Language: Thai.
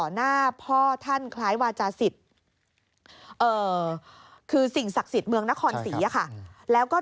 หน้าพ่อท่านคล้ายวาจาศิษย์คือสิ่งศักดิ์สิทธิ์เมืองนครศรีอะค่ะแล้วก็